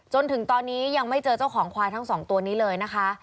จนถึงตอนนี้ยังไม่เจอเจ้าของควายทั้งสองตัวนี้เลยนะคะ